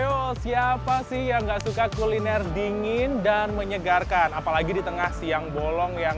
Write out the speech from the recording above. ayo siapa sih yang gak suka kuliner dingin dan menyegarkan apalagi di tengah siang bolong yang